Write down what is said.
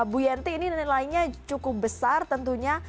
bu yenty ini nilainya cukup besar tentunya